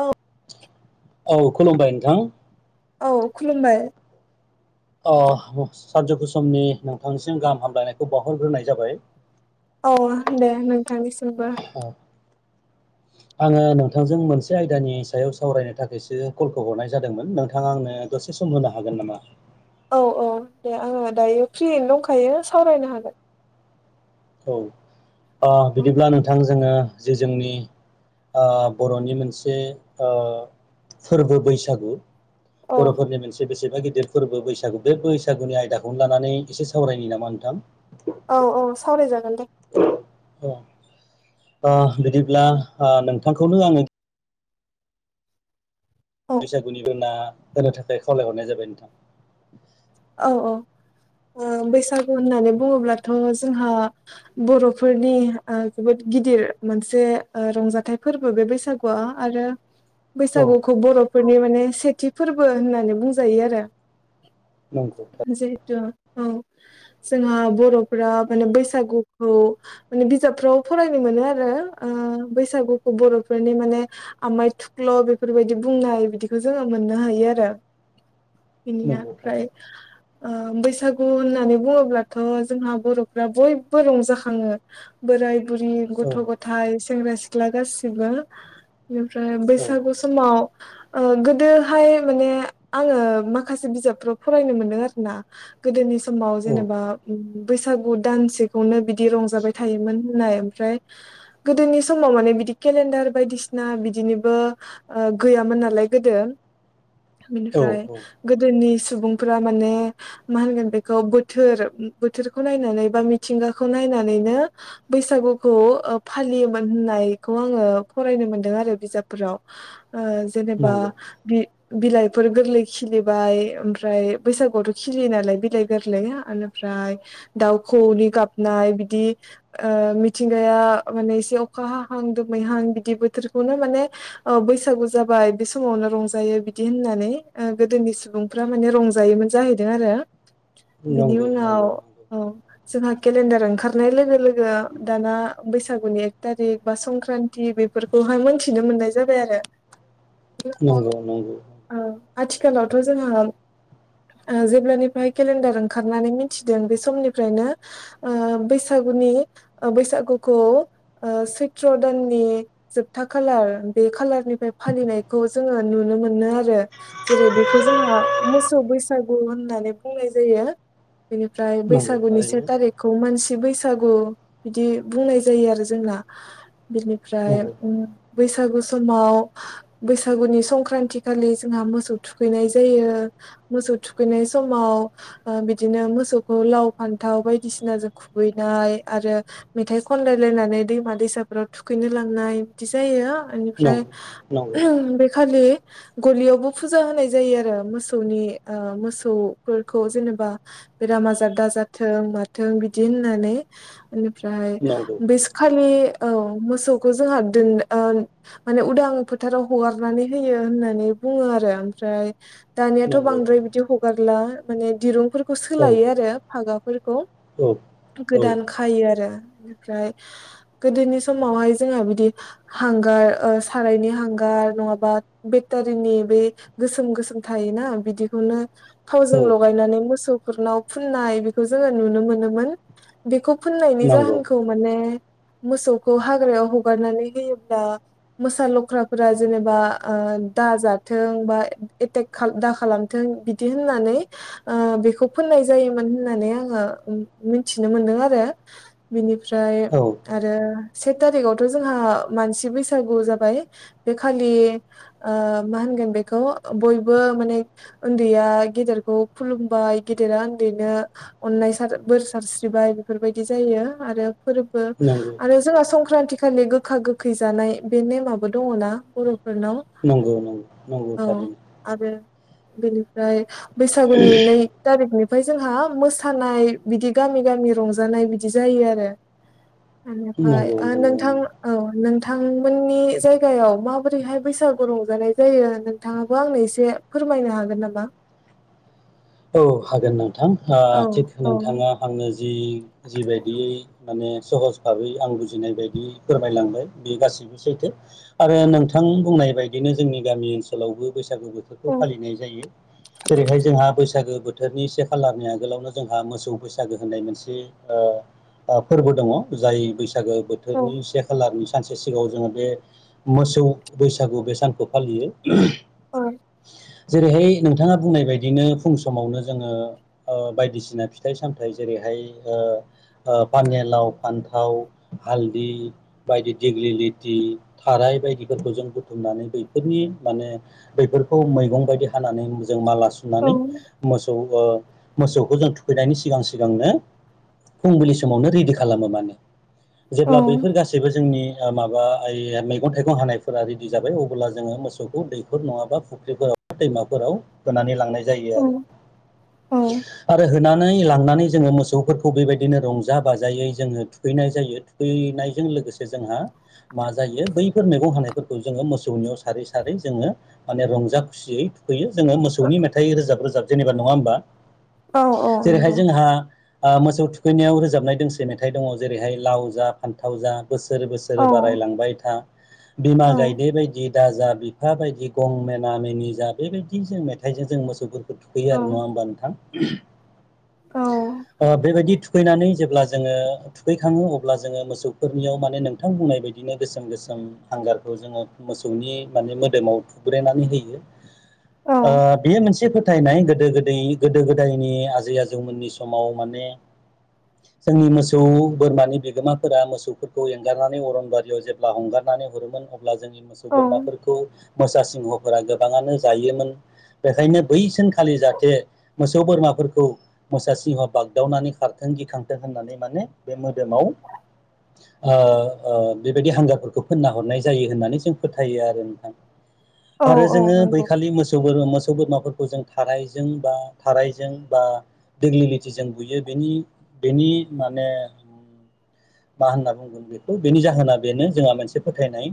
औ औ खुलुमबाय नोंथां। औ खुलुमबाय। अ सानजौफु समनि नोंथांसिम गाहाम हामलायनायखौ बावहरग्रोनाय जाबाय। औ दे नोंथांनिसिमबो। अ, [inaudible] आङो नोंथांजों मोनसे आयदानि सायाव सावरायनो थाखायसो कलखौ हरनाय जादोंमोन नोंथाङा आंनो द'से सम होनो हागोन नामा? औ औ दे आङो दायो फ्रियैनो दंखायो सावरायनो हागोन। औ ओ बिदिब्ला नोंथां जोङो जे जोंनि ओ बर'नि मोनसे ओ फोरबो बैसागु औ बर'फोरनि मोनसे बेसेन फ्राय गिदिर फोरबो बैसागु बे बैसागुनि आयदाखौनो लानानै एसे सावरायनि नामा नोंथां? औ औ सावरायजागोन दे। ओ बिदिब्ला ओ नोंथांखौनो आङो औ बैसागुनिबो ना [unintelligible] होनो थाखाय खावलायहरनाय जाबाय नोंथां। औ औ ओ बैसागु होननानै बुङोब्लाथ' जोंहा बर'फोरनि ओ जोबोद गिदिर मोनसे रंजाथाइ ओ फोरबो बैसागुआ आरो औ बैसागुखौ बर'फोरनि माने सेथि फोरबो होननानै बुंजायो आरो नंगौ थार जिहेतु औ जोंहा बर'फोरा माने बैसागुखौ माने बिजाबफ्राव फरायनो मोनो आरो ओ बैसागुखौ बर'फोरनि माने आमाइ थुख्ल' बेफोरबायदि बुंनाय बिदिखौ जोङो मोननो हायो आरो बिनिया नंगौ फ्राय थारैनो ओ बैसागु होननानै बुङोब्लाथ' जोंहा बर'फ्रा बयबो रंजाखाङो बोराय बुरि औ गथ' गथाइ सेंग्रा सिख्ला गासिबो बेनिफ्राय औ बैसागु समाव ओ गोदोहाय माने आङो माखासे बिजाबफ्राव फरायनो मोनदों आरो ना गोदोनि समाव औ जेनेबा उम बैसागु दानसेखौनो बि- बदि रंजाबाय थायोमोन। होननाय ओमफ्राय गोदोनि समाव माने बिदि केलेणडार बायदिसिना बिदिनिबो ओ गैयामोन नालाय गोदो औ बिनिफ्राय औ गोदोनि सुबुं फोरा माने मा होनगोन बेखौ बोथोर बोथोरखौ नायनानै बा मिथिंगाखौ नायनानै नो बैसागुखौ ओ फालियोमोन होननायखौ आङो फरायनो मोनदों आरो बिजाबफोर- राव ओ जेनेबा नंगौ बि बिइफोर गोरलै खिलिबाय ओमफ्रा- फ्राय बैसागुआवथ' खिलियो नालाय बिलाइ गोरलै एनिफ्राय दाउ खौऔनि गाबनाय बिदि ओ मिथिंगाया माने इसे अखा हाहां दोमैहां बिदि बोथोरखौनो माने अ बैसागु जाबाय बे समावनो रंजायो बिदि होननानै ओ गोदोनि सुबुं- फोरा माने रंजायोमोन जाहैदों आरो बिनि नंगौ उनाव नंगौ औ जोंहा केलेन्डार ओंखारनाय लोगो लोगो दाना बैसागु बैसागुनि एकथारिक बा संक्रान्ति बेफोरखौहाय मोनथिनो मोननाय जाबाय आरो औ नंगौ नंगौ आथिखालावथ' जोंहा ओ जेब्लानिफ्राय केलेन्डार ओंखारनानै मिथिदों बे समनिफ्रायनो ओ बैसागुनि ओ बैसागुखौ ओ सैत्र' दाननि जोबथा खालार बे खालार खालारनिफ्राय फालिनायखौ जोङो नुनो मोनो आरो जेरै बेखौ जोंहा मोसौ बैसागु होननानै बुंनाय जायो। बेनिफ्राय नंगौ बैसागुनि से थारैनो थारिखखौ मानसि बैसागु बिदि बुंनाय जायो आरो जोंना बिनिफ्राय नंगौ उम बैसागु समाव बैसागुनि संक्रान्ति खालि जोंहा मोसौ थुखैनाय जायो मोसौ थुखैनाय समाव ओ बिदिनो मोसौखौ लाव फान्थाव बायदिसिनाजों खु खुबैनाय आरो मेथाइ खनलायलायनानै दैमा दैसाफोराव थुखैनो लांनाय बिदि जायो। नंगौ एनिफ्राय बे खालि गलियावबो फुजा होनाय जायो आरो मोसौ- मोसौनि ओ मोसौफोरखौ जेनेबा बेराम आजार दाजाथों माथों बिदि होननानै बेनिफ्राय नंगौ बेस खालि औ मोसौखौ जोंहा दोन ओ माने उदां फोथाराव हगारनानै होयो होननानै बुङो आरो ओमफ्राय नंगौ दानियाथ' बांद्राय बिदि हगारला माने दिरुंफोर- खौ औ सोलायो आरो फागाफोरखौ औ औ गोदान खायो आरो बेनिफ्राय गोदोनि समावहाय जोंहा बिदि हांगार ओ सारायनि हांगार हांगार नङाबा बेटरिनि बे गोसोम गोसोम थायोना बिदिखौनो औ थावजों लगायनानै मोसौ फोरनाव फुननाय बेखौ जोङो नुनो मोनोमोन बेखौ फुननायनि नंगौ जाहोनखौ माने मोसौखौ हाग्रायाव हगारनानै होयोब्ला मोसा लख्राफोरा जेनेबा ओ दाजाथों बा ए- तेक खा दा खालामथों बिदि होननानै ओ बेखौ फोननाय जायोमोन होननानै आङो मिनथिनो मोनदों आरो बिनिफ्राय औ आरो से थारिखआवथ' जोंहा मानसि बैसागु जाबाय बे खालि ओ मा होन गोन बेखौ बयबो माने ओन्दैया गेदेरखौ खुलुमबाय गेदेरा ओन्दैनो अननाय बोर सारस्रिबाय बेफोरबादि जायो आरो फोरबो नंगौ आरो जोंहा संख्रा संख्रान्थि खालि गोखा गोखै जानाय बे नेमाबो दङना बर'- फोरनाव नंगौ नंगौ नंगौ औ। थारैनो आरो बेनिफ्राय बैसागुनि नै तारिखनि। ओमफाय जोंहा मोसानाय बिदि गामि गामि रंजानाय बिदि जायो आरो। बेनिफ्राय नंगौ नंगौ नोंथां औ नोंथांमोननि जायगायाव माबोरैहाय बैसागु रंजानाय जायो नोंथाङा? आंनो एसे फोरमायनो हागोन नामा। औ हागोन नोंथां औ थिग औ नोंथाङा आंनो। जि जिबायदियै माने सहज भाबै आं बुजिनाय बायदि फोरमायलांबाय बे गासैबो। सैथो आरो नोंथां बुंनाय बायदिनो जोंनि गामि ओनसोलावबो बसागु बोथोरखौ औ फालिनाय जायो जेरैहाय जोंहा बैसाग बैसागो बोथोरनि से खालारनि आगोलावनो जोंहा मोसौ बैसागो होननाय मोनसे। फोरबो दङ जाय बैसागो औ बोथोरनि से खालारनि सानसे सिगाङाव जोङो बे मोसौ बैसागु बे सानखौ फालियो। औ। जेरैहाय नोंथाङा बुंनाय बायदिनो फुं समावनो जोङो बायदिसिना फिथाइ सामथाइ जेरैहाय पानिलाव फान्थाव हालदि बायदि दिग्लिलिथि थाराय बायदिफोरखौ बुथुमनानै बैफोरनि माने बैफोरखौ मैगंबादि‌ हानानै। जों माला औ सुनानै मोसौ ओ मोसखौ जों थुखैनायनि सिगां सिगांनो। फुंबिलि समावनो रेडि खालामहोलाङो जेब्ला औ बैफोर गासैबो जोंनि माबा मैगं थाइगं हानायफोरा रेडि जाबाय अब्ला जोङो मोसौखौ दैफोर नङाबा फुख्रिफोराव दैमाफोराव होनानै लांनाय जायो। आरो होनानै लांनानै जोङो। मोसौफोरखौ बेबायदिनो रंजा बाजायै जोङो थुखैनाय जायो थुखैनायजों लोगोसे जोंहा। मा जायो बैफोर मैगं हानायफोरखौ जोङो मोसौनियाव सारै सारै जोङो माने रंजा खुसियै। थुखैयो जोङो मोसौनि मेथाइ रोजाब रोजाब जेनेबा नङा होमबा औ औ जेरैहाय नंगौ जोंहा। मोसौ थुखैनायाव रोजाबनाय दोंसे मेथाइ दङ जेरैहाय लाव जा फान्थाव जा। बोसोर औ बोसोरै बारायलांबाय था। औ बिमा गायदे बायदि दाजा बिफा बायदि गं मेना मेनि जा बेबायदि जों मेथाइजों जों मोसौफोरखौ थुखैयो औ आरो नङा होमबा नोंथां बेबायदि। थुखैनानै जेब्ला जोङो थुखैखाङो अब्ला जोङो मोसौफोरनियाव माने नोंथां बुंनाय बायदिनो गोसोम गोसोम। हांगारखौ जोङो मोसौनि माने मोदोमाव थुुब्रेनानै होयो। औ आ मोनसे फोथायनाय गोदो गोदै गोदो गोदायनि आजै आजौमोननि समाव माने जोंनि मोसौ बोरमानि बिगोमाफोरा मोसौफोरखौ एंगारनानै अरनबारियाव जेब्ला हंगारनानै। नानै हरोमोन अब्ला जोंनि मोसौ बोरमाफोरखौ मोसा सिंहफोरा गोबाङानो जायोमोन। बेखायनो बैसानखालि जाहाथे मोसौ बोरमाफोरखौ मोसा सिंहाव बाग्दावनानै खारखों। गिखांथो होननानै माने बे मोदोमाव बेबायदि हांग्राफोरखौ फोनना हरनाय जायो होननानै जों फोथायो आरो नोंथां। औ आरो औ जोङो नंगौ बैखालि मोसौ बोरो मोसौ। बोरमाफोरखौ जों थाराइजों बा थाराइजों बा। दिग्लिलिथिजों बुयो बेनि बेनि माने। मा होनना बुंगोन बेखौ बेनि जाहोना बेनो जोंहा मोनसे फोथायनाय।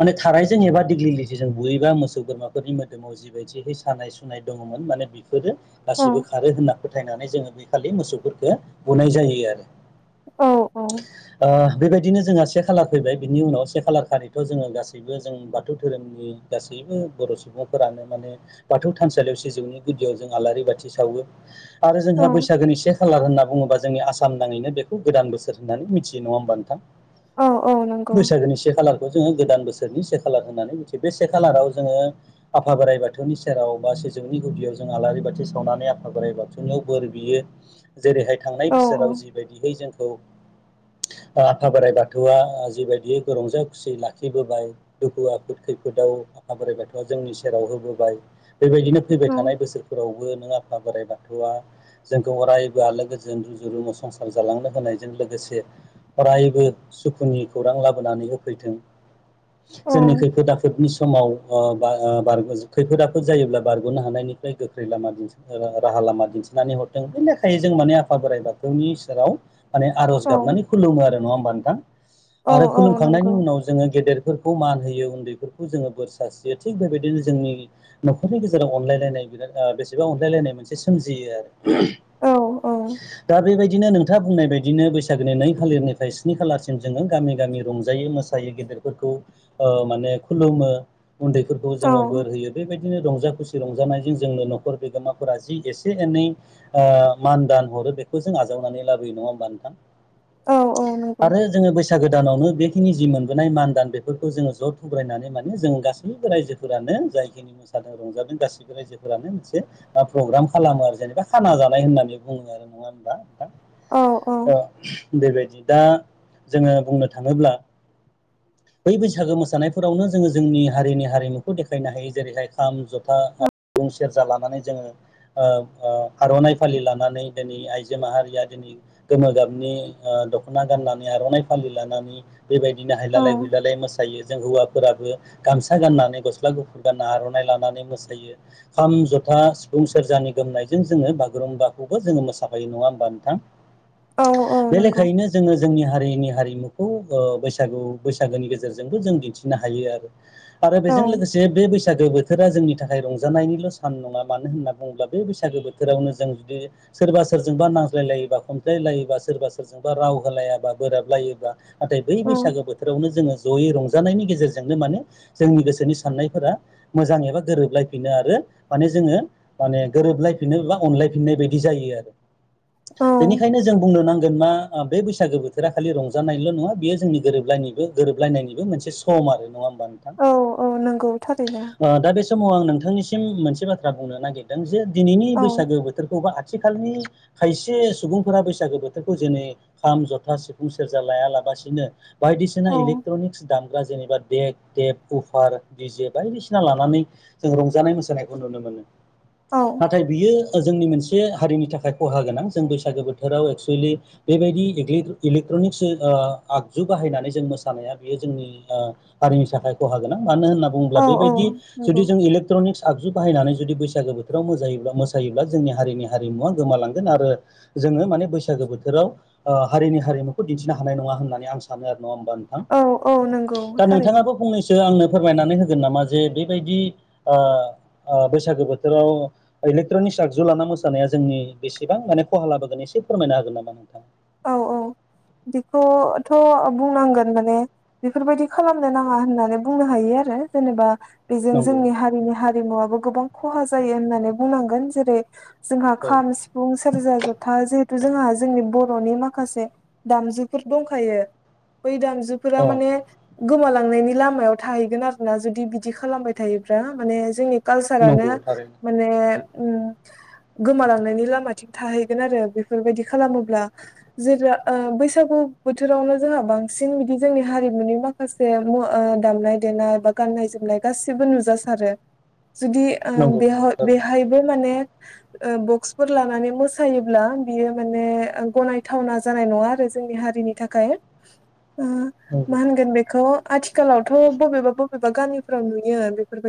माने थानायारजों एबा दिग्लिलिथिजों बुयोबा मोसौ बोरमाफोरनि मोदोमाव जि। बायदि सानाय सुनाय दङमोन माने बेफोरो औ गासिबो खारो होनना फोथायनानै जोङो बे खालि मोसौफोरफोरखौ गुनाय जायो आरो [inaudible] आ बेबायदिनो जोंहा से खालार फैबाय बिनि उनाव से खालार खालिथ जोङो गासैबो जों बाथौ धोरोमनि गासै बयबो बर' सुबुंफोरानो माने बाथौ थानसालियाव सिजौनि गुदियाव जों आलारि बाथि सावो आरो जोंहा बैसागोनि से खालार होनना बुङोबा जोंनि आस साम नाङैनो बेखौ गोदान बोसोर होननानै मिथियो नङा होमबा नोंथां औ औ नंगौ खौ जोङो गोदान बोसोरनि से खालार होननानै मिथियो बे से खालाराव जोङो आ फा बोराइ बाथौनि सेराव बा सिजौनि गुदियाव जों आलारि बाथि सावनानै आफा बोराइ बाथौनियाव बोर बियो जेरैहाय औ थांनाय बोसोराव जिबायदिहै जोंखौ [inaudible] ओ आफा बोराइ बाथौआ जिबायदियै रंजा खुसि लाखिबोबाय दुखु आफोद खैफोदाव खौ आफा बोराइ बाथौआ जोंनि सेराव होबोबाय बेबायदिनो औ फैबाय थानाय बोसोरफोरावबो नों आ फा बोराइ बाथौआ जोंखौ अरायबो आलो गोजोन रुजु रुमु संसार जालांनो होनायजों लोगोसे अरायबो सुखुनि खौरां लाबोनानै होफैथों जोंनि खैफोद आफोदनि समाव ओ बा ओ बारबोज खैफोद आफोद जायोब्ला बारग'नो हानायनिफ्राय गोख्रै लामा दिन्थि ओ राहा लामा दिन्थिनानै हरथों नाखाय जों माने आफा बोराइ बाथौनि सेराव माने आर'ज गाबनानै खुलुमो आरो नङा होमबा नोंथां औ आरो औ औ खुलुमखांनायनि नंगौ उनाव जोङो गेदेर फोरखौ मान होयो उन्दैफोरखौ जोङो बोर सारस्रियो थिग बेबाय दिनो जोंनि न'खरनि गेजेराव अनलायलायनाय बिराद ओ बेसेबा अनलायलायनाय मोनसे सोमजियो आरो औ दा बेबायदिनो नों थाङा बुंनाय बायदिनो बैसागोनि नै खालिरनिफ्राय स्नि खालारसिम जोङो गामि गामि रंजायो मोसायो गेदेरफोरखौ खौ ओ माने खुलुमो उन्दैफोरखौ जोङो बोर होयो बेबाय दिनो रंजा खुसि रंजानायजों जोंनो न'खर बिगोमाफोरा जि एसे एनै ओ मान दान हर हरो बेखौ जों आजावनानै लाबोयो नङा होमबा नोंथां औ नंगौ आरो जोङो बैसागो दानावनो बे खिनि जि मोनबोनाय मान दान बेफोरखौ जोङो ज' थुब्रायनानै माने जों गासैबो रायजो फोरानो जायखिनि मोसादों रंजादों गासिबो रायजोफोरानो मोनसे प्रग्राम खालामो आरो जेनबा खाना जानाय होननानै बुङो आरो नङा होनबा नोंथां औ औ ओ बेबायदि दा जोङो बुंनो थाङोब्ला बै बैसागो मोसानायफोरावनो जोङो जोंनि हारिनि हारिमु खौ देखायनो हायो जेरैहाय खाम जथा बुं सेरजा लानानै जोङो ओ ओ आर'नाइ फालि लानानै दिनै आइजो माहारिया दिनै नि गोमो गाबनि ओ दख'ना गाननानै आर'नाइ फालि लानानै बेबायदिनो औ हायलालाय हुयला लाय मोसायो जों हौवाफोराबो गामसा गाननानै गस स्ला गुफुर गानना आर'नाइ लानानै मोसायो खाम जथा सिफुं सेरजानि गोमनायजों जोङो बागुरुम रूमबाखौबो जोङो मोसाफायो नङा होमबा नोंथां औ औ बे नंगौ लेखायैनो जोङो जोंनि हारिनि हारिमु खौ ओ बैसागु बैसागोनि गेजेरजोंबो जों दिन्थिनो हायो आरो आरो औ बेजों लोगोसे बे बैसागो बोथोरा जोंनि थाखाय रंजानायनिल' सान नङा मानो होनना बुङोब्ला बे बैसागो बोथोरावनो जों बि सोरबा सोरजोंबा नांज्लायलायोबा खमज्लाय लायोबा सोरबा सोरजोंबा राव होलायाबा बोराबलायोबा नाथाय बै औ बैसागो बोथोरावनो जोङो ज'यै रंजानायनि गेजेरजोंनो मानोे जोंनि गोसोनि साननायफोरा मोजां एबा गोरोबलायफिनो आरो माने जोङो माने गोरोबलायफिनो बा अनलाय लायफिननाय बायदि जायो आरो औ बेनिखायनो जों बुंनो नांगोन मा आ आ बे बैसागो बोथोरा खालि रंजानायल' नङा बेयो जोंनि गोरोबलायनिबो गोरोबलायनायनिबो मोनसे सम आरो नङा बा नोंथां औ औ नंगौ थारैनो दा बे समाव आं नोंथांनिसिम मोनसे बाथ्रा बुंनो नागिरदों जे दिनैनि औ बैसागो बोथोरखौ बा थिखालनि खायसे सुबुंफोरा बैसागो बोथोर खौ जेनै खाम जथा सिफुं सेरजा लायालाबासिनो बायदिसिना औ इलेक्ट्रनिक्स दामग्रा जेनेबा डेक टेप उफार दिजे बायदिसिना लानानै जों रंजानाय मोसानायखौ नुनो मोनो औ नाथाय बियो जोंनि मोनसे हारिनि थाखाय खहा गोनां जों बैसागो बोथोराव एक्सुेलि बेबायदि [unintelligible] [unintelligible] आगजु बाहायनानै जों मोसानाया बेयो जोंनि ओ हारिनि थाखाय खहा गोनां मानो होनना बुङोब्ला औ औ बेबायदि जु नंगौ जों इलेट्रनि आगजु बाहायनानै जुदि बैसागो बोथोराव मोजायोब्ला मोसायोब्ला जोंनि हारिनि हारिमुवा गोमालांगोन आरो जोङो माने बैसाग गो बोथोराव हारिनि हारिमुखौ दिन्थिनो हानाय नङा होननानै आं सानो आरो नङा होमबा नोंथां औ औ नंगौ दा थारैनो नोंथाङाबो फंनैसो आंनो फोरमायनानै होगोन नामा जे बेबायदि आ आ बैसागो बोथोराव इलेक्ट्रनिक आगजु लाना मोसानाया जोंनि बेसेबां माने खहा लाबोगोननि से फोरमायनो होन नामा नोंथा औ औ बेखौथ' बुंनांगोन माने बेफोरबायदि खालामनो नाङा होननानै बुंनो हायो जेनेबा बेजों नंगौ जोंनि हारिनि हारिमुवाबो गोबां खहा जायो होननानै बुंनांगोन जेरै जोंहा औ खाम सिफुं सेरजा जथा जिहेथु जोंहा जोंनि ब र'नि माखासे दामजुफोर दंखायो बै दामजुफोरा औ माने गोमालांनायनि लामायाव थाहैगोन आरो ना जुदि बिदि खालामबाय थायोब्ला माने जोंनि कालसारानो नंगौ थारैनो माने उम गोमालांनायनि लामाथिं थाहैगोन आरो बेफोरबायदि खालामोब्ला जे रा ओ बैसागु बोथोरावनो जोंहा बांसिन बिदि जोंनि हारिमुनि माखासे मु ओ दामनाय देनाय बा गाननाय जोमनाय गासिबो नुजासारो जुदि ओ नंगौ बेहा थारैनो बेहायबो माने ओ बक्सफोर लानानै मोसायोब्ला बियो माने ओ गनायथावना जानाय नङा आरो जोंनि हारिनि थाखाय ओ नंगौ मा होनगोन बेखौ आथिखालावथ' बबेबा बबेबा गामिफोराव नुयो बेफोरबायदि